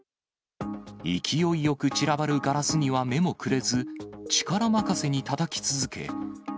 勢いよく散らばるガラスには目もくれず、力任せにたたき続け。